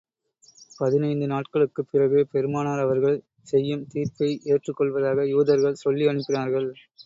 பதினைந்து நாட்களுக்குப் பிறகு, பெருமானார் அவர்கள் செய்யும் தீர்ப்பை ஏற்றுக் கொள்வதாக யூதர்கள் சொல்லி அனுப்பினார்கள்.